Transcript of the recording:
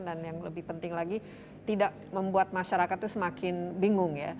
dan yang lebih penting lagi tidak membuat masyarakat itu semakin bingung